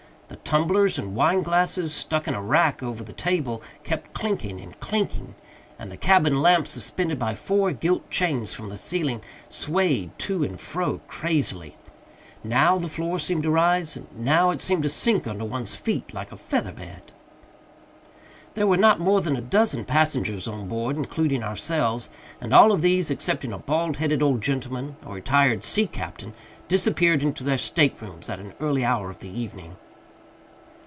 The tumblers and wineglasses, stuck in a rack over the table, kept clinking and clinking; and the cabin lamp, suspended by four gilt chains from the ceiling, swayed to and fro crazily. Now the floor seemed to rise, and now it seemed to sink under one's feet like a feather bed. There were not more than a dozen passengers on board, including ourselves; and all of these, excepting a bald headed old gentleman a retired sea captain disappeared into their staterooms at an early hour of the evening.